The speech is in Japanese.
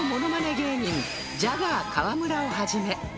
芸人ジャガー川村を始め